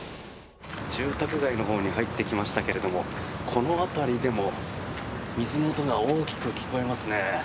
住宅街のほうに入ってきましたけれどもこの辺りでも水の音が大きく聞こえますね。